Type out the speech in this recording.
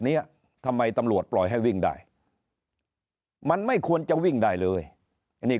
เนี้ยทำไมตำรวจปล่อยให้วิ่งได้มันไม่ควรจะวิ่งได้เลยอันนี้